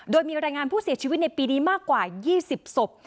โดยมีรายงานผู้เสียชีวิตในปีนี้มากกว่า๒๐ศพ